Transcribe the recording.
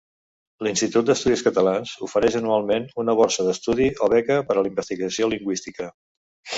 L'Institut d'Estudis Catalans ofereix anualment una borsa d'estudi o beca per a la investigació lingüística.